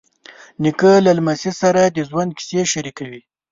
نیکه له لمسي سره د ژوند کیسې شریکوي.